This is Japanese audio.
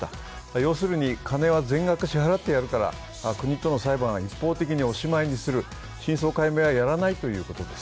要するに金は全額支払ってやるから国人の裁判は一方的におしまいにする、真相解明はやらないということです。